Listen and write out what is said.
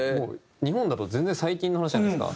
日本だと全然最近の話じゃないですか。